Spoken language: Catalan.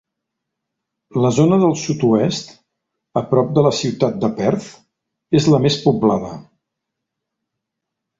La zona del sud-oest, a prop de la ciutat de Perth, és la més poblada.